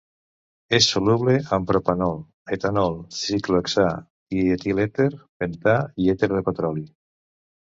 És soluble en propanona, etanol, ciclohexà, dietilèter, pentà i èter de petroli.